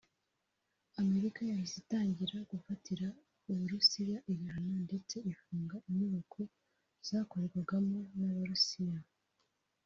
Amerika yahise itangira gufatira u Burusiya ibihano ndetse ifunga inyubako zakorerwagamo n’Abarusiya